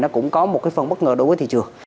nó cũng có một cái phần bất ngờ đối với thị trường